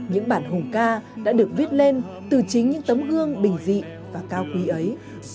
những bản hùng ca đã được viết lên từ chính những tấm gương bình dị và cao quý ấy